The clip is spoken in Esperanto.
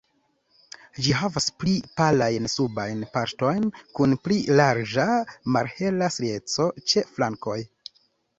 Ĝi havas pli palajn subajn partojn kun pli larĝa, malhela strieco ĉe flankoj.